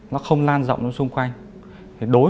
nó không lan rộng đến xung quanh schedule